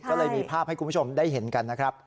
ก็เลยมีภาพให้คุณผู้ชมได้เห็นกันนะครับ